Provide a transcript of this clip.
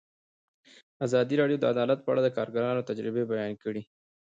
ازادي راډیو د عدالت په اړه د کارګرانو تجربې بیان کړي.